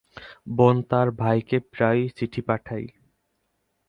বোন তার ভাইকে প্রায়ই চিঠি পাঠায়।